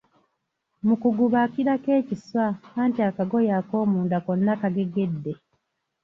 Mu kuguba akirako ekiswa anti akagoye ak'omunda konna kagegedde.